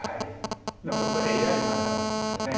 これＡＩの判断ですので。